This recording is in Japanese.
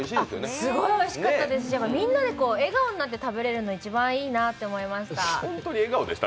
すごいおいしかったですし、みんなで笑顔になって食べられるの一番いいなって思いました。